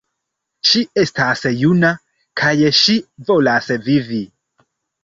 Ŝi estas juna kaj ŝi volas vivi!